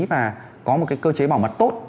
và có một cái cơ chế bảo mật tốt